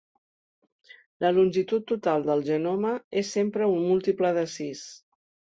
La longitud total del genoma és sempre un múltiple de sis.